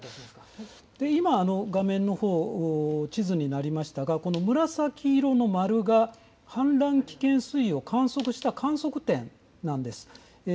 今、画面のほう、地図になりましたが紫色の丸が氾濫危険水位を観測した観測点なんです。